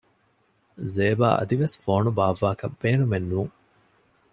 ޒޭބާ އަދިވެސް ފޯނު ބާއްވާކަށް ބޭނުމެއް ނޫން